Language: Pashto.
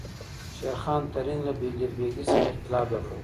شېرخان ترین له بیګلربیګي سره اختلاف درلود.